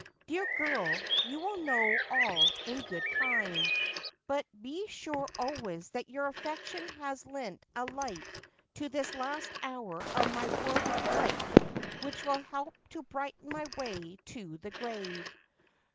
'Dear girl, you will know all in good time. But he sure always that your affection has lent a light to this last hour of my worldly life which will help to brighten my way to the grave.